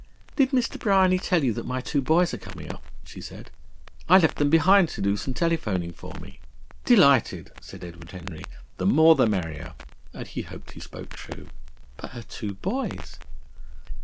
"Did Mr. Bryany tell you that my two boys are coming up?" said she. "I left them behind to do some telephoning for me." "Delighted!" said Edward Henry. "The more the merrier!" And he hoped that he spoke true. But her two boys!